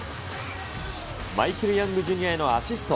マイケル・ヤングジュニアへのアシスト。